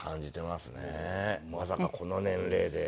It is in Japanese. まさかこの年齢で。